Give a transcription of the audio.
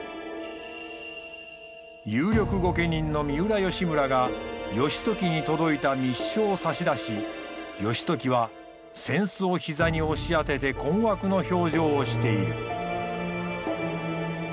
有力御家人の三浦義村が義時に届いた密書を差し出し義時は扇子を膝に押し当てて困惑の表情をしている。